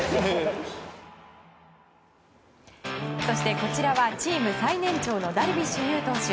こちらはチーム最年長のダルビッシュ有投手。